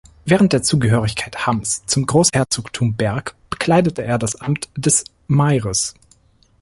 Während der Zugehörigkeit Hamms zum Großherzogtum Berg bekleidete er das Amt des Maires.